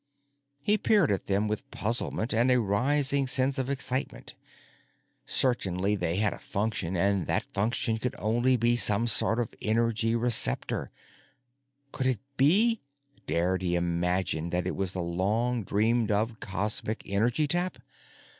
He peered at them with puzzlement and a rising sense of excitement. Certainly they had a function, and that function could only be some sort of energy receptor. Could it be—dared he imagine that it was the long dreamed of cosmic energy tap?